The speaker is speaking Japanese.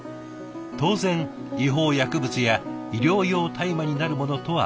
当然違法薬物や医療用大麻になるものとは別物です。